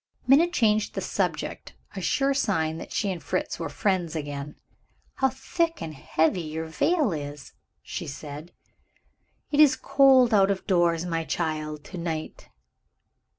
Minna changed the subject a sure sign that she and Fritz were friends again. "How thick and heavy your veil is!" she said. "It is cold out of doors, my child, to night."